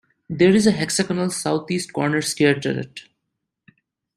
There is a hexagonal south-east corner stair turret.